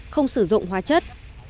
không sử dụng hóa chất